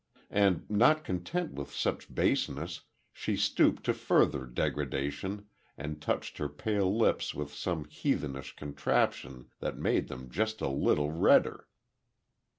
And not content with such baseness she stooped to further degradation and touched her pale lips with some heathenish contraption that made them just a little redder!